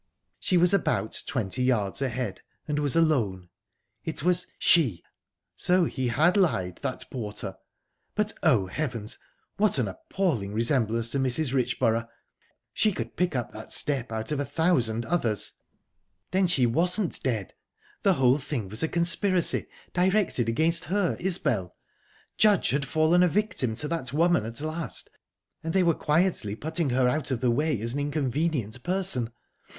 She was about twenty yards ahead, and was alone...it was she... So he had lied, that porter!...But, oh heavens! what an appalling resemblance to Mrs. Richborough. She could pick up that step out of a thousand others...Then she wasn't dead. The whole thing was a conspiracy, directed against her, Isbel. Judge had fallen a victim to that woman at last, and they were quietly putting her out of the way, as an inconvenient person.